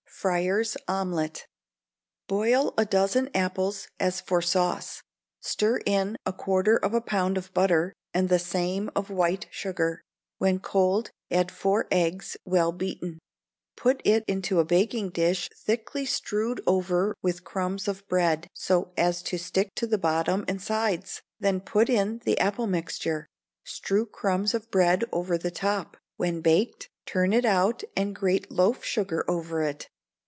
Friar's Omelette. Boil a dozen apples, as for sauce; stir in a quarter of a pound of butter, and the same of white sugar; when cold, add four eggs, well beaten; put it into a baking dish thickly strewed over with crumbs of bread, so as to stick to the bottom and sides; then put in the apple mixture; strew crumbs of bread over the top; when baked, turn it out and grate loaf sugar over it.